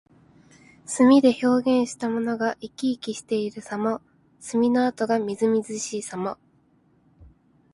墨で表現したものが生き生きしているさま。墨の跡がみずみずしいさま。